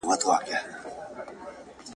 هلک له کړکۍ څخه خپل کتابونه لاندې وغورځول.